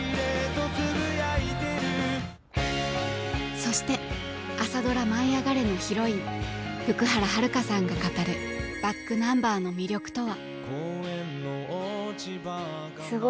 そして朝ドラ「舞いあがれ！」のヒロイン福原遥さんが語るｂａｃｋｎｕｍｂｅｒの魅力とは。